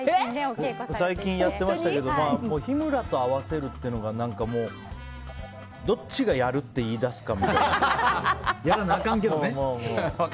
最近やってましたけど日村と合わせるっていうのがどっちが、やるって２人だしね。